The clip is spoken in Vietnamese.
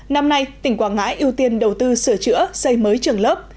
năm nay tỉnh quảng ngãi ưu tiên đầu tư sửa chữa xây mới trường lớp